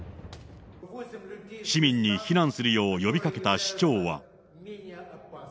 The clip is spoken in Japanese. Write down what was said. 市民に避難するよう呼びかけた市長は。